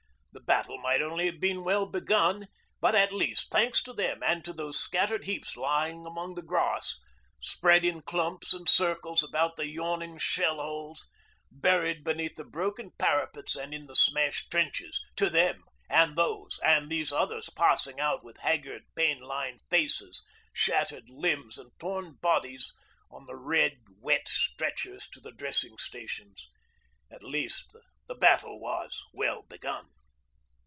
The battle might only have been well begun, but at least, thanks to them and to those scattered heaps lying among the grass, spread in clumps and circles about the yawning shell holes, buried beneath the broken parapets and in the smashed trenches to them, and those, and these others passing out with haggard, pain lined faces, shattered limbs, and torn bodies on the red, wet stretchers to the dressing stations, at least, the battle was well begun.